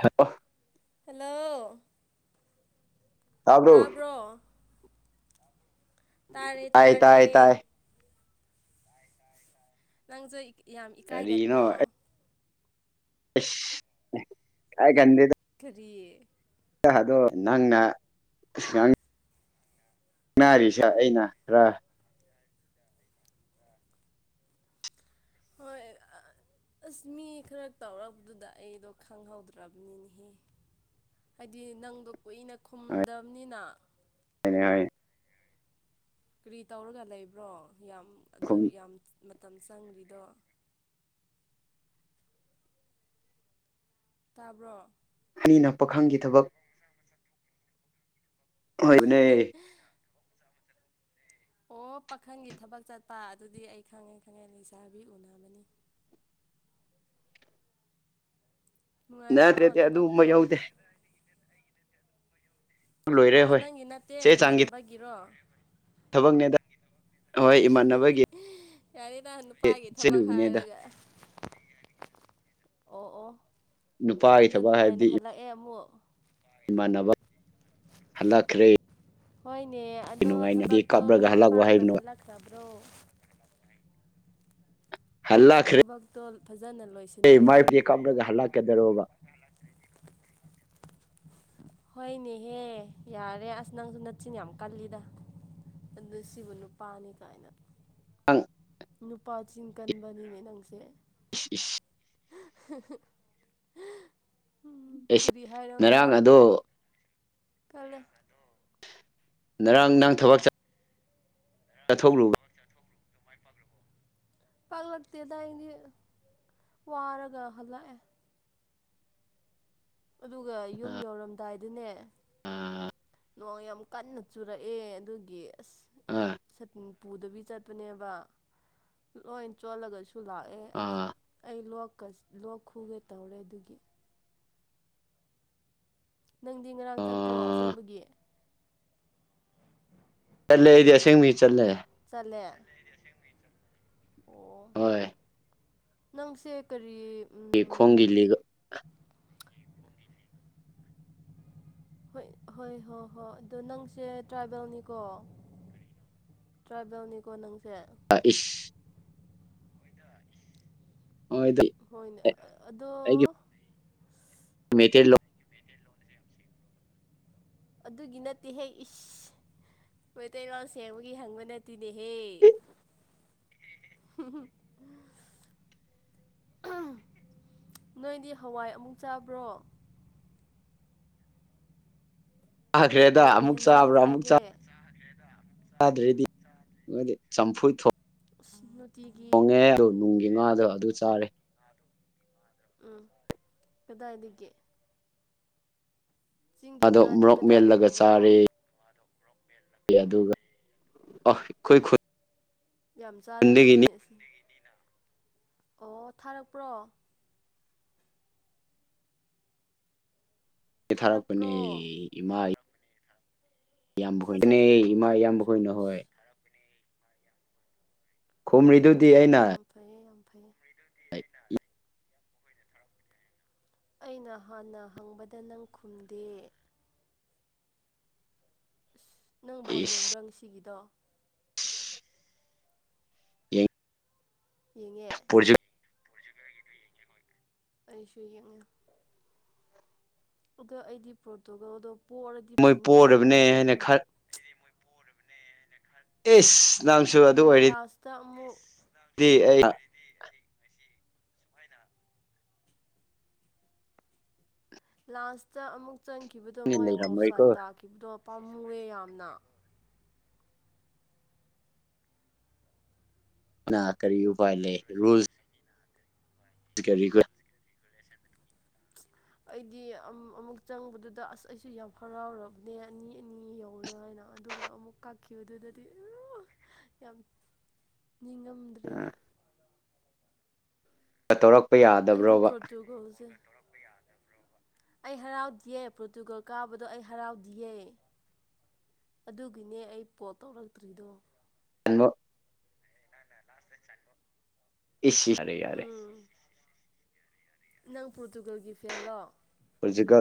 hello hello ꯇꯥꯕ꯭ꯔꯣ ꯇꯥꯔꯦ ꯇꯥꯏ ꯇꯥꯔꯦ ꯇꯥꯏ ꯇꯥꯏ ꯅꯪꯁꯨ ꯌꯥꯝ ꯏꯀꯥꯏꯒꯟꯕ꯭ꯔꯣ ꯁ ꯑꯩꯒꯟꯗ ꯀꯔꯤꯌꯦ ꯗꯣ ꯅꯪꯅꯪ ꯅꯥꯔꯤꯁꯦ ꯑꯩꯅ ꯔ ꯍꯣꯏ [unintelligible] ꯑꯁ ꯃꯤ ꯈꯔ ꯇꯧꯔꯛꯄꯗꯨꯗ ꯑꯩꯗꯣ ꯈꯪꯍꯧꯗ꯭ꯔꯕꯅꯤꯅꯦꯍꯦ ꯍꯥꯏꯗꯤ ꯅꯪꯗꯣ ꯀꯨꯏꯅ ꯈꯨꯝꯗꯕꯅꯤꯅ ꯍꯅꯦ ꯍꯥꯏ ꯀꯔꯤ ꯇꯧꯔꯒ ꯂꯩꯕ꯭ꯔꯣ ꯌꯥꯝ ꯑꯗꯨ ꯌꯥꯝ ꯃꯇꯝ ꯆꯪꯗ꯭ꯔꯤꯗꯣ ꯇꯥꯕ꯭ꯔꯣ ꯃꯤꯩꯅ ꯄꯥꯈꯪꯒꯤ ꯊꯕꯛ ꯍꯣꯏꯅꯦ ꯑꯣ ꯄꯥꯈꯪꯒꯤ ꯊꯕꯛ ꯆꯠꯄ ꯑꯗꯨꯗꯤ ꯑꯩ ꯈꯪꯉꯦ ꯈꯪꯉꯦ ꯂꯩꯁꯥꯕꯤ ꯎꯅꯕꯅꯤ [unintelligible] ꯅꯨꯡꯉꯥꯏꯕ꯭ꯔꯣ ꯅꯅꯦ ꯇ ꯑꯗꯨ ꯃꯩ ꯊꯕꯛꯇꯣ ꯌꯥꯧꯗꯦ ꯂꯣꯏꯔꯦ ꯑꯣ ꯍꯣꯏ ꯅꯪ ꯏ ꯆꯦ ꯅꯠꯇꯦꯅ ꯆꯥꯡꯒꯤ ꯃꯥꯅꯕꯒꯤꯔꯣ ꯊꯕꯛꯅꯦꯗ ꯍꯣꯏ ꯏꯃꯥꯟꯅꯕꯒꯤ ꯌꯥꯅꯤ ꯅ ꯅꯨꯄꯥꯒꯤ ꯊꯕꯛ ꯆꯠꯂꯨꯕꯅꯦꯗ ꯍꯥꯏꯔꯒ ꯑꯣ ꯑꯣ ꯅꯨꯄꯥꯒꯤ ꯑꯗ ꯊꯕꯛ ꯅꯨꯡꯉꯥꯏꯅ ꯍꯥꯏꯕꯗꯤ ꯍꯜꯂꯛꯑꯦ ꯑꯃꯨꯛ ꯏꯃꯥꯟꯅꯕ ꯍꯜꯂꯛꯈ꯭ꯔꯦ ꯍꯣꯏꯅꯦ ꯑꯗꯣ ꯅꯨꯡꯉꯥꯏꯅꯗꯤ ꯊꯕꯛꯇꯣ ꯀꯥꯞꯂꯒ ꯃꯥꯏ ꯍꯜꯂꯛꯄ ꯄꯥꯛꯅ ꯍꯥꯏꯕꯅꯣ ꯍꯜꯂꯈꯕ꯭ꯔꯣ ꯊꯕꯛꯇꯣ ꯐꯖꯅ ꯑꯩ ꯂꯣꯏꯁꯤꯟꯕꯤꯗ꯭ꯔꯦ ꯃꯥꯏꯕꯨꯗꯤ ꯀꯥꯞꯂꯒ ꯍꯜꯂꯛꯀꯗꯔꯕ ꯍꯣꯏꯅꯦꯍꯦ ꯌꯥꯔꯦ ꯑꯁ ꯅꯪꯁꯨ ꯅꯠꯆꯤꯤꯟ ꯌꯥꯝ ꯀꯜꯂꯤꯗ ꯑꯗꯨ ꯁꯤꯕꯨ ꯅꯨꯄꯥꯅꯤ ꯀꯥꯏꯅ ꯑꯪ ꯅꯨꯄꯥ ꯆꯤꯡ ꯀꯟꯕꯅꯤꯅꯦ ꯅꯪꯁꯦ [unintelligible] [unintelligible] ꯑꯦꯁ ꯀꯔꯤ ꯉꯔꯥꯡ ꯑꯗꯣ ꯄꯨꯂꯦ ꯉꯔꯥꯡ ꯅꯪ ꯊꯕꯛ ꯆꯠꯊꯣꯛꯂꯨ ꯄꯥꯛꯂꯛꯇꯦꯗꯏꯗꯤ ꯋꯥꯔꯒ ꯍꯜꯂꯛꯑꯦ ꯑꯗꯨꯒ ꯌꯨꯝ ꯌꯧꯔꯝꯗꯥꯏꯗꯨꯅꯦ ꯅꯣꯡ ꯌꯥꯝ ꯀꯟꯅ ꯆꯨꯔꯛꯑꯦ ꯑꯗꯨꯒꯤ ꯑꯁ ꯑ ꯁ ꯄꯨꯗꯕꯤ ꯆꯠꯄꯅꯦꯕ ꯂꯣꯏ ꯆꯣꯜꯂꯒꯁꯨ ꯁꯨ ꯂꯥꯛꯑꯦ ꯑꯁ ꯑꯥ ꯑꯩ ꯂ ꯂꯣꯛ ꯈꯨꯒꯦ ꯇꯧꯔꯦ ꯑꯗꯨꯒꯤ ꯅꯪꯗꯤ ꯉꯔꯥꯡ ꯑ ꯆꯠꯄ꯭ꯔꯣ ꯑꯁꯦꯡꯕꯒꯤ ꯆꯂꯦꯗꯤ ꯑꯁꯦꯡ ꯃꯤ ꯆꯠꯂꯦ ꯆꯂꯦ ꯑꯣ ꯍꯣꯏ ꯅꯪꯁꯦ ꯀ ꯑꯩ ꯈꯣꯡꯒꯤꯜꯂꯤꯒ ꯍꯣꯏ ꯍꯣꯏ ꯍꯣꯏ ꯍꯣꯏ ꯑꯗꯨꯣ ꯅꯪꯁꯦ ꯇ꯭ꯔꯥꯏꯕꯦꯜꯅꯤꯀꯣ ꯇ꯭ꯔꯥꯏꯕꯦꯜꯅꯤꯀꯣ ꯅꯪꯁꯦ ꯑ ꯏꯁ ꯍꯣꯏꯗꯤ ꯍꯣꯏꯅꯦ ꯑꯗꯣ ꯃꯦꯇꯩ ꯂꯣ ꯑꯗꯨꯒꯤ ꯅꯠꯇꯦ ꯍꯦꯛ ꯏꯁ ꯃꯣꯏꯇꯩꯒꯜ ꯁꯦꯡꯕꯒꯤ ꯍꯪꯕ ꯅꯠꯇꯦꯅꯦꯍꯦ [unintelligible] ꯅꯣꯏꯗꯤ ꯍꯋꯥꯏ ꯑꯃꯨꯛ ꯆꯥꯕ꯭ꯔꯣ ꯆꯥꯈ꯭ꯔꯦꯗ ꯀꯩ ꯑꯃꯨꯛ ꯍꯦꯟꯖꯥꯡ ꯆꯥꯕ꯭ꯔꯥ ꯑꯃꯨꯛ ꯆꯥꯒꯦ ꯆꯗ꯭ꯔꯗꯤ ꯆꯝꯐꯨ ꯊꯣꯛꯣꯡ ꯎ ꯍꯣꯡꯉꯦ ꯑꯗꯨ ꯅꯨꯡꯒꯤ ꯉꯥꯗ ꯑꯗꯨ ꯆꯥꯔꯦ ꯎꯝ ꯐꯦꯗꯥꯗꯒꯤꯒꯦ ꯆꯤꯡꯒꯤ ꯑꯗꯣ ꯉꯥꯗꯤ ꯃꯣꯔꯣꯛ ꯃꯦꯜꯂꯒ ꯀꯗꯥꯏꯗꯒꯤꯅꯣ ꯆꯥꯔꯦ ꯑꯗꯨꯒ ꯑ ꯑꯩꯈꯣꯏ ꯈꯨ ꯌꯥꯝ ꯆꯥꯔꯝꯃꯅꯤꯅꯦꯁ ꯑꯣ ꯊꯥꯔꯛꯄ꯭ꯔꯣ ꯊꯥꯔꯛꯄꯅꯦ ꯊꯥꯔꯛꯄ꯭ꯔꯣ ꯏꯃꯥ ꯏ ꯁꯠ ꯁꯠ ꯈꯣꯏ ꯏꯃꯥ ꯈꯨꯝꯃꯣ ꯏꯌꯥꯝ ꯅꯪꯁꯨ ꯈꯣꯏ ꯅꯍꯣꯏ ꯑꯁ ꯑꯣ ꯑꯣ ꯈꯨꯝꯔꯤꯗꯨꯗꯤ ꯑꯩꯅ ꯌꯥꯝ [unintelligible] ꯑꯩꯅ ꯍꯥꯟꯅ ꯍꯪꯕꯗ ꯅꯪ ꯈꯨꯝꯗꯦ ꯅꯪꯕꯣ ꯏꯁ ꯌꯦꯡꯕ꯭ꯔꯥ ꯉꯁꯤꯒꯤꯗꯣ ꯌꯦ ꯌꯦꯡꯉꯦ ꯑꯩꯁꯨ ꯌꯦꯡꯉꯨ ꯑꯗꯣ ꯑꯩꯗꯤ ꯄ꯭ꯔꯣꯇꯣꯒꯣꯜꯗꯣ ꯄꯣꯛꯔꯗꯤ ꯃꯣꯏ ꯐꯅꯤ ꯄꯣꯔꯕꯅꯦ ꯍꯥꯏꯔ ꯍꯥꯏꯅ ꯈ ꯂꯩꯔꯒ ꯑꯦꯁ ꯅꯥꯟꯁꯨ ꯑꯗꯨ ꯎꯝ ꯑꯣꯏꯔꯤꯗꯤ ꯂꯥꯁꯇ ꯑꯃꯨꯛ ꯑꯗꯨꯗꯤ ꯑꯩ ꯑꯩꯁꯤꯁꯨꯐꯥꯏꯗ ꯂꯥꯟꯥꯁꯇ ꯑꯃꯨꯛ ꯆꯪꯈꯤꯕꯗꯣ ꯃꯣꯏ ꯑꯣꯐ ꯁꯥꯏꯠ ꯂꯩꯔꯝꯃꯣꯏꯀꯣ ꯇꯥꯈꯤꯕꯗꯣ ꯄꯥꯝꯃꯨꯑꯦ ꯌꯥꯝꯅ ꯅꯥ ꯀꯔꯤ ꯎꯄꯥꯏ ꯂꯩ ꯔꯨꯜꯁ ꯀꯔꯤꯒ ꯑꯩꯗꯤ ꯑꯃꯨꯛ ꯆꯪꯕꯗꯨꯗ ꯑꯁ ꯑꯩꯁꯨ ꯌꯥꯝ ꯍꯔꯥꯎꯔꯕꯅꯦ ꯑꯅꯤ ꯑꯅꯤ ꯌꯧꯔꯦ ꯍꯥꯏꯅ ꯑꯗꯨꯒ ꯑꯃꯨꯛ ꯀꯥꯈꯤꯕ ꯑꯗꯨꯗꯗꯤ ꯌꯥꯝ [unintelligible] ꯅꯤꯡꯉꯝꯗ꯭ꯔꯦꯗ ꯇꯧꯔꯛ ꯑꯩꯗꯤ ꯄ꯭ꯔꯣ꯭ꯛ ꯍꯧꯧꯁꯦ [unintelligible] ꯑꯩ ꯍꯔꯥꯎꯗꯌꯦ ꯄ꯭ꯔꯣꯔꯇꯨꯒꯜ ꯀꯥꯕꯗꯣ ꯑꯩ ꯍꯔꯥꯎꯗꯤꯌꯦ ꯑꯗꯨꯒꯤꯅꯦ ꯑꯩ ꯄꯣꯠ ꯇꯧꯔꯛꯇ꯭ꯔꯤꯗꯣ ꯍꯪꯗꯣ ꯆꯣ ꯑꯦꯁꯤ ꯌꯥꯔꯦ ꯌꯥꯔꯦ ꯅꯪ ꯄꯣꯔꯇꯨꯒꯜꯒꯤ ꯐꯦꯟꯂꯣ ꯍꯧꯖꯤꯒ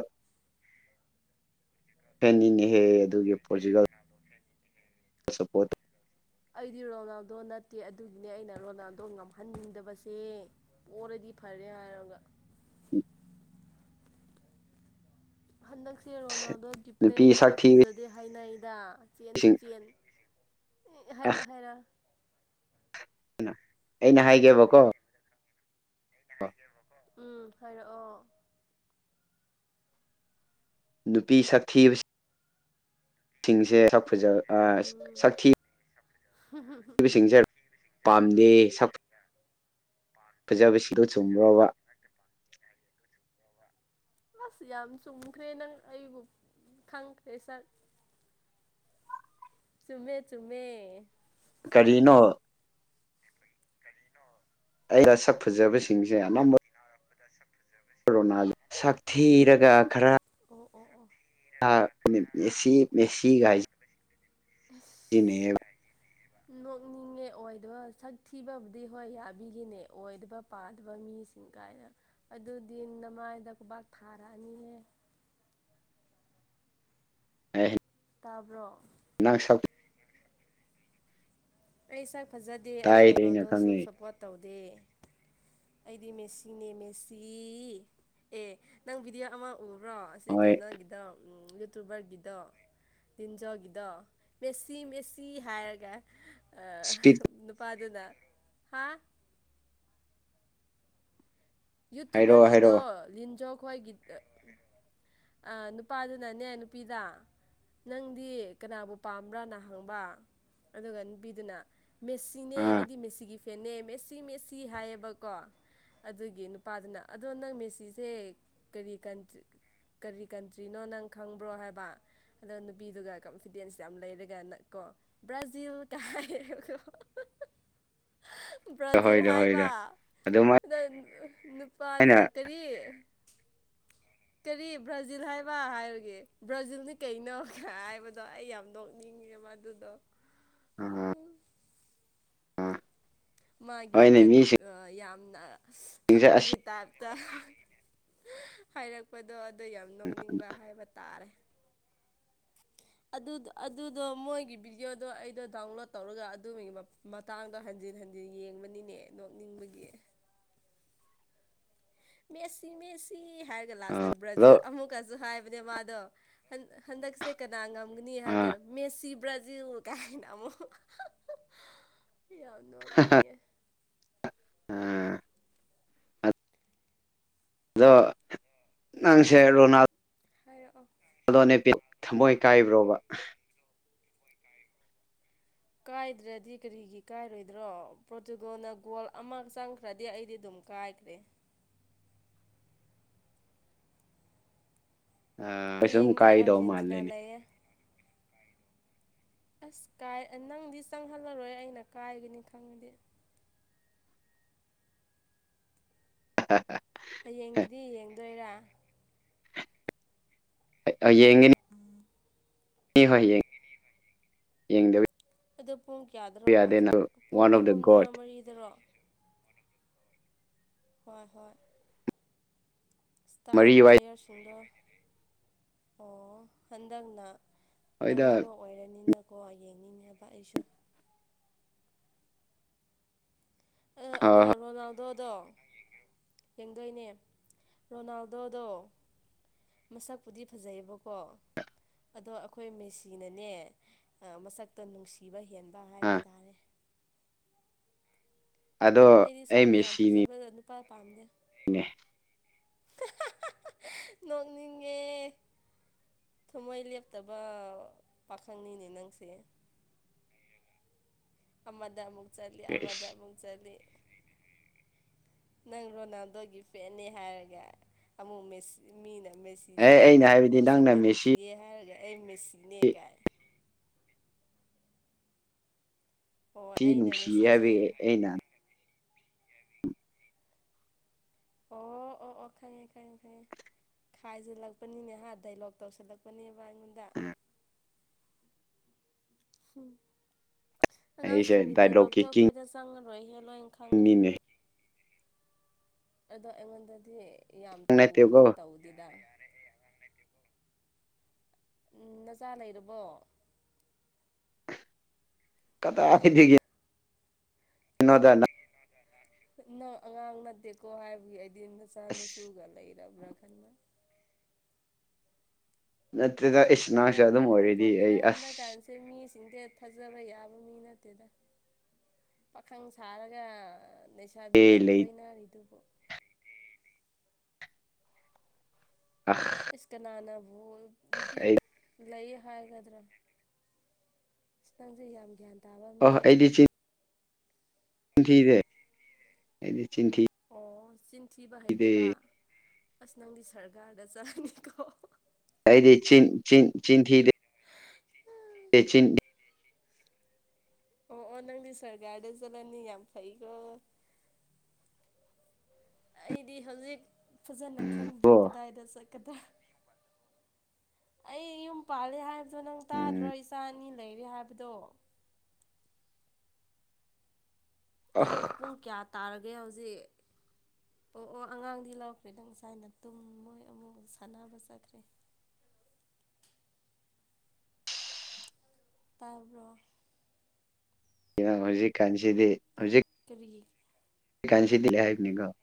ꯍꯦꯟꯅꯤꯟꯍꯦ ꯑꯗꯨꯒꯤ ꯄꯣꯔꯆꯨꯒꯜ ꯁꯄꯣꯠ ꯑꯩꯗꯤ ꯔꯣꯅꯥꯜꯗꯣ ꯅꯠꯇꯦ ꯑꯗꯨꯒꯤꯅꯦ ꯑꯩꯅ ꯔꯣꯅꯥꯜꯗꯣ ꯉꯝꯍꯟꯅꯤꯡꯗꯕꯁꯦ ꯑꯣꯏꯔꯗꯤ ꯐꯔꯦ ꯍꯥꯏꯔꯒ ꯎꯝ ꯍꯟꯗꯛꯁꯦ ꯔꯣꯅꯥꯜꯗꯣ ꯅꯨꯄꯤ ꯗꯤꯄ꯭ꯂꯦꯁꯦ ꯁꯛꯊꯤꯕꯁꯤꯡ ꯐꯖꯗꯦ ꯍꯥꯏꯅꯩꯗ ꯆꯦꯟꯁꯨ ꯆꯦꯟ ꯍꯥꯏꯔ ꯍꯥꯏꯔꯣ ꯑꯩꯅ ꯍꯥꯏꯒꯦꯕꯀꯣ ꯑ ꯎꯝ ꯍꯥꯏꯔꯛꯑꯣ ꯅꯨꯄꯤ ꯁꯥꯛꯊꯤꯕ ꯁꯤꯡꯁꯦ ꯁꯛ ꯐꯖ ꯎꯝ ꯁꯛꯊꯤ ꯍꯥꯏꯔꯛꯑꯣ ꯎꯝ ꯃꯤꯑꯣꯕꯁꯤꯡꯁꯦ ꯄꯥꯝꯗꯦ ꯐꯖꯕꯁꯤꯗꯣ ꯆꯨꯝꯕ꯭ꯔꯕ ꯑꯁ ꯌꯥꯝ ꯆꯨꯝꯈ꯭ꯔꯦ ꯅꯪ ꯑꯩꯕꯨ ꯈꯪꯈ꯭ꯔꯦ ꯁꯛ ꯆꯨꯝꯃꯦ ꯆꯨꯝꯃꯦ ꯀꯔꯤꯅꯣ ꯑꯩꯅ ꯁꯛ ꯐꯖꯕꯁꯤꯡꯁꯦ ꯑꯅꯝꯕ ꯑꯗꯨ ꯁ ꯣꯅꯥꯜ ꯁꯥꯛꯊꯤꯔꯒ ꯈꯔ ꯑꯣ ꯑꯣ ꯑꯣ ꯃꯦꯁꯤ ꯃꯦꯁꯤꯤ ꯥꯏꯁꯤ ꯑꯁ ꯏꯅꯦ ꯅꯣꯛꯅꯤꯡꯉꯦ ꯑꯣꯏꯗꯕ ꯁꯛ ꯊꯤꯕꯕꯨꯗꯤ ꯍꯣꯏ ꯌꯥꯕꯤꯒꯤꯅꯦ ꯑꯣꯏꯗꯕ ꯄꯥꯗꯕ ꯃꯤꯁꯤꯡ ꯀꯥꯏꯅ ꯑꯗꯨꯗꯤ ꯅꯃꯥꯏꯗ ꯈꯨꯕꯥꯛ ꯊꯥꯔꯛꯑꯅꯤꯌꯦ ꯍ ꯇꯥꯕ꯭ꯔꯣ ꯑꯩ ꯁꯛ ꯐꯖꯗꯦ ꯑꯩ ꯇꯥꯏꯗ ꯑꯩꯅ ꯔꯣꯅꯥꯜꯗꯣꯁꯨ ꯈꯪꯉꯤ ꯁꯞꯄꯣꯔꯠ ꯇꯧꯗꯦ ꯑꯩꯗꯤ ꯃꯦꯁꯤꯅꯦ ꯃꯦꯁꯤ ꯑꯦ ꯅꯪꯕꯨꯕꯤꯗꯤ ꯑꯃ ꯎ ꯕ꯭ꯔꯣ ꯑꯁꯤ ꯍꯣꯏ ꯀꯩꯅꯣꯒꯤꯗ ꯌꯨꯇꯨꯕꯔꯒꯤꯗ ꯇꯤꯟꯖꯣꯒꯤꯗꯣ ꯃꯦꯁꯤ ꯃꯦꯠꯁꯤ ꯍꯥꯏꯔꯒ ꯑ ꯏꯁꯄꯤꯠ ꯅꯨꯄꯥꯗꯨꯅ ꯍꯥ ꯍꯥꯏꯔꯛꯑꯣ ꯌꯨꯇꯨꯕꯔꯒꯤꯗꯣ ꯍꯥꯏꯔꯛꯑꯣ ꯂꯤꯟꯖꯣ ꯈꯣꯏꯒꯤ ꯑ ꯅꯨꯄꯥꯗꯨꯅꯅꯦ ꯅꯨꯄꯤꯗ ꯅꯪꯗꯤ ꯀꯅꯥꯕꯨ ꯄꯥꯝꯕ꯭ꯔꯥꯅ ꯍꯪꯕ ꯑꯗꯨꯒ ꯅꯨꯄꯤꯗꯨꯅ ꯃꯦꯠꯁꯤꯅꯦ ꯑꯥ ꯑꯩꯗꯤ ꯃꯦꯁꯤꯒꯤ ꯐꯦꯟꯅꯦ ꯃꯦꯠꯁꯤ ꯃꯦꯠꯁꯤ ꯍꯥꯏꯌꯦꯕꯀꯣ ꯑꯗꯨꯒꯤ ꯄꯥꯗꯅ ꯑꯗꯣ ꯅꯪ ꯃꯦꯁꯤꯁꯦ ꯀꯔꯤ ꯀꯟꯇ꯭ꯔꯤ ꯀꯔꯤ ꯀꯟꯇ꯭ꯔꯤꯅꯣ ꯅꯪ ꯈꯪꯕ꯭ꯔꯣ ꯍꯥꯏꯕ ꯑꯗꯣ ꯅꯨꯄꯤꯗꯨꯒ ꯀꯣꯟꯐꯤꯗꯦꯟꯁ ꯌꯥꯝ ꯂꯩꯔꯒ ꯅ ꯀꯣ ꯕ꯭ꯔꯥꯖꯤꯜ ꯀꯥꯏꯦꯀꯣ ꯍ ꯕ꯭ꯔꯥꯖꯤꯜ ꯍꯥꯏꯕ ꯑꯗꯨꯃꯥꯏꯅ ꯄꯥ ꯑꯗꯨꯅ ꯀꯔꯤ [unintelligible] ꯀꯔꯤ ꯕ꯭ꯔꯥꯖꯤꯜ ꯍꯥꯏꯕ ꯍꯥꯏꯔꯒꯦ ꯕ꯭ꯔꯥꯖꯤꯜꯅꯤ ꯀꯩꯅꯣ ꯍꯥꯏꯕꯗꯣ ꯑꯩ ꯌꯥꯝ ꯅꯣꯛꯅꯤꯡꯉ ꯃꯗꯨꯣ ꯎ ꯃꯥꯒꯤ ꯍꯣꯏꯅꯦ ꯃꯤꯁꯤꯡꯁꯦ ꯌꯥꯝꯅ ꯑꯁꯤ ꯈꯪꯕꯒꯤ ꯇꯥꯏꯞꯇ ꯍꯥꯏꯔꯛꯄꯗꯣ ꯑꯗꯨ ꯌꯥꯝ ꯅꯣꯛꯅꯤꯡꯕ ꯍꯥꯏꯕ ꯇꯥꯔꯦ ꯑꯗꯨꯗꯣ ꯃꯣꯏꯒꯤ ꯚꯤꯗꯤꯑꯣꯗꯣ ꯑꯩꯗꯣ ꯗꯥꯎꯟꯂꯣꯗ ꯇꯧꯔꯒ ꯑꯗꯨꯒꯤ ꯃꯇꯥꯡꯗꯣ ꯍꯟ ꯍꯟꯖꯤꯟ ꯍꯟꯖꯤꯟ ꯌꯦꯡꯕꯅꯤꯅꯦ ꯅꯣꯛꯅꯤꯡꯕꯒꯤ ꯃꯦꯠꯁꯤ ꯃꯦꯠꯁꯤ ꯍꯥꯏꯔꯒ ꯂꯥꯁꯇ ꯕ꯭ꯔꯥꯖꯤꯜ ꯑꯗꯣ ꯑꯃꯨꯛꯀꯁꯨ ꯍꯥꯏꯕꯅꯦ ꯃꯥꯗꯣ ꯍꯟꯗꯛꯁꯦ ꯀꯅꯥ ꯉꯝꯒꯅꯤ ꯍꯥꯏꯔ ꯑꯥ ꯀꯥꯟ ꯃꯦꯁꯤ ꯕ꯭ꯔꯥꯖꯤꯜ ꯀꯥꯏꯅ ꯑꯃꯨꯣ ꯌꯥꯝ ꯋꯥꯡꯅꯤꯡꯉꯦ ꯑ ꯑꯣ ꯅꯪꯁꯦ ꯔꯣꯅꯥꯜ ꯍꯥꯏꯔꯛꯑꯣ ꯑꯗꯣꯅꯦꯦꯄꯤ ꯊꯃꯣꯏ ꯀꯥꯏꯕ꯭ꯔꯣꯕ ꯀꯥꯏꯗ꯭ꯔꯗꯤ ꯀꯔꯤꯒꯤ ꯀꯥꯏꯔꯣꯏꯗ꯭ꯔꯣ ꯄ꯭ꯔꯣꯇꯨꯒꯣꯅ ꯒꯣꯜ ꯑꯃ ꯆꯪꯈ꯭ꯔꯗꯤ ꯑꯩꯗꯤ ꯑꯗꯨꯝ ꯀꯥꯏꯈ꯭ꯔꯦ [unintelligible] ꯑ ꯑꯩꯣꯏ ꯁꯨꯝ ꯍꯌꯦꯡꯗꯤ ꯀꯥꯏꯗꯧ ꯑꯥꯔꯖꯦꯟꯇꯤꯅꯥ ꯃꯥꯜꯂꯦꯅꯦ ꯂꯩꯌꯦ ꯑꯁ ꯀꯥꯏ ꯅꯪꯗꯤ ꯆꯪꯍꯜꯂꯔꯣꯏ ꯑꯩꯅ ꯀꯥꯏꯒꯅꯤ ꯈꯪꯉꯗꯤ ꯍ ꯍ ꯍ ꯍꯌꯦꯡꯒꯤꯗꯤ ꯌꯦꯡꯗꯣꯏꯔꯥ ꯑꯌꯦꯉꯅꯤ ꯍꯣꯏ ꯌꯦꯡ ꯌꯦꯡꯗ ꯑꯗꯣ ꯄꯨꯡ ꯀꯌꯥꯗꯔꯣ ꯀꯥꯎꯊꯣꯛ ꯄꯨꯡ ꯋꯥꯟ ꯑꯣꯐ ꯗ ꯑꯍꯨꯝꯗꯔ ꯒꯣꯗ ꯃꯔꯤꯗꯔꯣ ꯍꯣꯏ ꯍꯣꯏ ꯏꯁꯇꯥꯔ ꯃꯔꯤ ꯋꯥꯏ ꯄ꯭ꯂꯦꯌꯔꯁꯤꯡꯗꯣ ꯑꯣ ꯍꯟꯗꯛꯅ ꯍꯣꯏꯗ ꯑꯔꯣꯏꯕ ꯑꯣꯏꯔꯅꯤꯅꯀꯣ ꯌꯦꯡꯅꯤꯡꯉꯕ ꯑꯩꯁꯨ ꯑꯗꯣ ꯍꯣꯏ ꯍꯣꯏ ꯔꯣꯅꯥꯜꯗꯣꯗꯣ ꯌꯦꯡꯗꯣꯏꯅꯦ ꯔꯣꯅꯥꯜꯗꯣꯗꯣ ꯃꯁꯛꯄꯨꯗꯤ ꯐꯖꯩꯌꯦꯕꯀꯣ ꯑꯗꯣ ꯑꯩꯈꯣꯏ ꯃꯦꯁꯤꯅꯅꯦ ꯃꯁꯛꯇꯣ ꯅꯨꯡꯁꯤꯕ ꯍꯦꯟꯕ ꯍꯥꯏꯕ ꯑꯥ ꯇꯥꯔꯦ ꯑꯗꯣ ꯑꯩ ꯃꯦꯁꯤꯅꯤ ꯄꯥ ꯄꯥꯝꯃꯦ ꯎ ꯅꯣꯛꯣꯡꯅꯤꯤꯡꯒꯦ ꯊꯃꯣꯏ ꯂꯦꯞꯇꯕ ꯄꯥꯈꯪꯅꯤꯅꯦ ꯅꯪꯁꯦ ꯑꯃꯗꯃꯨꯛ ꯆꯂꯤ ꯑꯦ ꯑꯗꯃꯨꯛ ꯆꯂꯤ [unintelligible] ꯅꯪ ꯔꯣꯅꯥꯜꯗꯣꯒꯤ ꯐꯦꯦ ꯍꯥꯏꯔꯒ ꯑꯃꯨꯛꯁꯤ ꯃꯤꯅ ꯃꯦꯁꯤꯁꯦ ꯑꯩꯅ ꯍꯥꯏꯕꯗꯤ ꯅꯪꯅ ꯃꯁꯛꯇ ꯃꯦꯁꯤ ꯅꯨꯡꯁꯤꯌꯦꯦ ꯍꯥꯏꯔꯒ ꯑꯩ ꯃꯦꯁꯤꯅꯦꯒꯥꯏ ꯑꯣ ꯁꯤ ꯑꯩꯅ ꯅꯨꯡꯁꯤ ꯍꯥꯏꯕ ꯃꯦꯁꯤꯁꯦ ꯑꯩꯅ ꯑꯣ [unintelligible] ꯑꯣ ꯑꯣ ꯈꯪꯉꯦ ꯈꯪꯉꯦ ꯈꯪꯉꯦ ꯈꯥꯏꯖꯤꯜꯂꯛꯄꯅꯤꯅꯦ ꯑ ꯗꯥꯏꯂꯣꯛ ꯇꯧꯁꯤꯜꯂꯛꯄꯅꯦ ꯕꯥꯗ ꯎꯝ ꯑꯩꯁꯦ ꯑꯉꯥꯡꯁꯤꯡꯒꯤ ꯗꯥꯏꯂꯣꯛꯀꯤ ꯗꯥꯏꯂꯣꯛꯇꯣ ꯑꯩꯈꯣꯏꯗ ꯆꯪꯉꯔꯣꯏ ꯍꯦꯜꯂꯣꯏꯅ ꯈꯪꯉꯦ ꯀꯤꯡꯅꯤꯅꯦ ꯑꯗ ꯑꯩꯉꯣꯟꯗꯗꯤ ꯌꯥꯝ ꯅꯪ ꯅꯠꯇꯦꯀꯣ ꯇꯧꯕꯗꯤ ꯇꯧꯗꯦꯗ ꯎꯝ ꯅꯆꯥꯥ ꯂꯩꯔꯕꯣ ꯀꯇꯥ ꯑꯊꯩꯗꯒꯤ ꯊꯩꯅꯣꯗꯅ ꯅꯪ ꯑꯉꯥꯡ ꯅꯠꯇꯦꯀꯣ ꯍꯥꯏꯕꯒꯤ ꯑꯩꯗꯤ ꯅꯆꯥꯥꯅ ꯑꯁ ꯁꯨꯒ ꯂꯩ ꯈ ꯅꯠꯇꯦꯗ ꯏꯁ ꯅꯁꯨ ꯂꯩꯔꯝꯕ꯭ꯔꯥ ꯑꯗꯨꯝ ꯑꯣꯏꯔꯗꯤ ꯑꯩ ꯑꯁ ꯆꯤꯡꯗꯦꯠ ꯊꯥꯖꯕ ꯌꯥꯕ ꯃꯤ ꯅꯠꯇꯦꯗ ꯄꯥꯈꯪ ꯁꯥꯔꯒ ꯂꯩꯁꯥꯕꯤ ꯑꯦ ꯌꯥꯝ ꯂꯩ ꯀꯣꯏꯅꯔꯤꯗꯨꯕꯨ ꯑ ꯑꯖꯤ ꯀꯅꯥꯅꯅꯕ ꯑꯩ ꯂꯩꯌꯦ ꯍꯥꯏꯒꯗ꯭ꯔꯥ ꯈꯤꯇꯪꯁꯦ ꯌꯥꯝ ꯒ꯭ꯌꯥꯟ ꯇ ꯑ ꯑꯗꯤ ꯆ ꯊꯗꯦꯗꯤ ꯑꯣ ꯆꯤꯟꯊꯤꯕ ꯍꯩꯇꯕ ꯑꯁ ꯅꯪꯒꯤ ꯁꯔꯀꯥꯔꯗ ꯆꯠꯂꯅꯤꯀꯣ ꯆꯤꯟ ꯆꯤꯟ ꯆꯤꯟ ꯊꯤꯗꯦ ꯇꯆꯤꯟ ꯑꯣ ꯑꯣ ꯅꯪ ꯁꯔꯒꯥꯔꯗ ꯆꯠꯂꯅꯤ ꯌꯥꯝ ꯐꯩꯀꯣ ꯑꯩꯗꯤ ꯍꯧꯖꯤꯛ ꯐꯖꯅ ꯎꯝ ꯀꯣ ꯈꯪꯗ꯭ꯔꯤ ꯀꯗꯥꯏꯗ ꯆꯠꯀꯗ꯭ꯔꯥ ꯑ [unintelligible] ꯑꯩ ꯌꯨꯝ ꯄꯥꯜꯂꯦ ꯍꯥꯏꯕꯗꯣ ꯅꯪ ꯇꯥꯗ꯭ꯔꯣ ꯎꯝ ꯏꯆꯥ ꯑꯅꯤ ꯂꯩꯔꯦ ꯍꯥꯏꯕꯗꯣ ꯑ ꯑꯩꯁꯨ ꯄꯨꯡ ꯀꯌꯥ ꯇꯥꯔꯒꯦ ꯍꯧꯖꯤꯛ ꯑꯣ ꯑꯣ ꯑꯉꯥꯡꯗꯤ ꯂꯥꯎꯈ꯭ꯔꯦꯗꯪ ꯉꯁꯥꯏꯅ ꯇꯨꯝ ꯃꯣꯏ ꯑꯃꯨꯛ ꯁꯥꯟꯅꯕ ꯆꯠꯈ꯭ꯔꯦ [unintelligible] ꯇꯥꯔꯕꯣ ꯍꯧꯖꯤꯛ ꯀꯟꯁꯤꯗꯤ ꯀꯔꯤꯒꯤ ꯑꯦꯀꯥꯟꯁꯤꯗꯤꯂ ꯍꯥꯏꯅꯤꯒ [inaudible]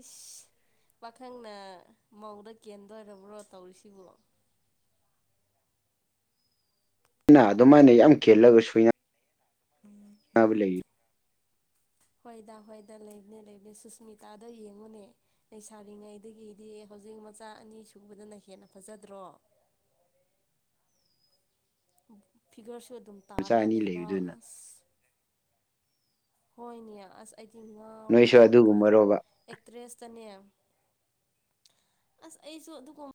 ꯏꯁ ꯄꯥꯈꯪꯅ ꯃꯧꯗ ꯀꯦꯟꯗꯣꯏꯔꯕ꯭ꯔꯣ ꯇꯧꯔꯤꯁꯤꯕ ꯑꯩꯅ ꯑꯗꯨꯃꯥꯏꯅ ꯌꯥꯝ ꯀꯦꯦꯜꯂꯒ ꯁꯨꯏꯅ ꯎꯝ [inaudible] ꯑꯕ ꯂꯩ [inaudible] ꯍꯣꯏꯗ ꯍꯣꯏꯗ ꯂꯩꯕꯅꯦ ꯂꯩꯕꯅꯦ ꯁꯨꯁꯃꯤꯇꯥꯗꯣ ꯌꯦꯡꯉꯨꯅꯦ ꯂꯩꯁꯥꯔꯤꯉꯩꯗꯒꯤꯗꯤ ꯍꯧꯖꯤꯛ ꯑꯗꯨ ꯃꯆꯥ ꯑꯅꯤ ꯁꯨꯕꯗꯨꯅ ꯍꯦꯟꯅ ꯐꯖꯗ꯭ꯔꯣ [unintelligible] ꯐꯤꯒꯔꯁꯨ ꯑꯗꯨꯝ ꯃꯆꯥ ꯇꯥꯔꯒ ꯑꯅꯤ ꯂꯩꯕ ꯂꯩꯕꯗꯨꯅ ꯑꯁ ꯍꯣꯏꯅꯦ ꯑꯁ ꯑꯩꯗꯤ ꯉꯥꯎꯏ ꯅꯣꯏꯁꯨ ꯁꯨꯁꯃꯤꯇꯥꯗ ꯑꯗꯨꯒꯨꯝꯕꯔꯣꯕ ꯑꯦꯛꯇ꯭ꯔꯦꯁꯇꯅꯦ ꯑꯁ ꯑꯩꯁꯨ ꯑꯗꯨ